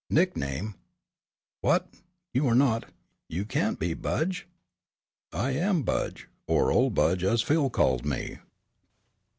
"Nickname what, you are not, you can't be 'Budge'?" "I am 'Budge' or 'old Budge' as Phil called me."